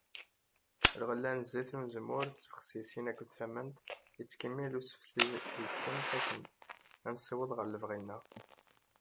Lɣella n zzit n uzemmur d tbexsisin akked tamemt, yettkemmil usefti deg-sent akken ad nessiweḍ ɣar lebɣi-nneɣ.